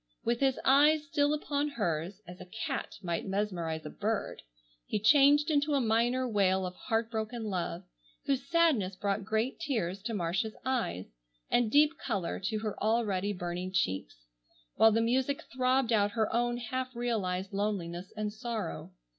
With his eyes still upon hers, as a cat might mesmerize a bird, he changed into a minor wail of heart broken love, whose sadness brought great tears to Marcia's eyes, and deep color to her already burning cheeks, while the music throbbed out her own half realized loneliness and sorrow.